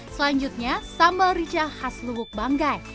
selanjutnya sambal rica khas lubuk banggai